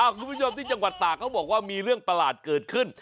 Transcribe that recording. คุณผู้ชมที่จังหวัดตากเขาบอกว่ามีเรื่องประหลาดเกิดขึ้น